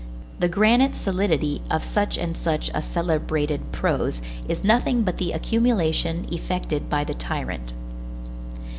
The granite solidity of such and such a celebrated prose is nothing but the accumulation effected by the tyrant.